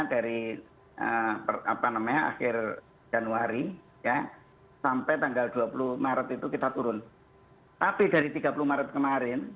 dari apa namanya akhir januari ya sampai tanggal dua puluh maret itu kita turun tapi dari tiga puluh maret kemarin